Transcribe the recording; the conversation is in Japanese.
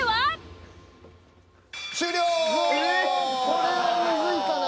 これはむずいかな？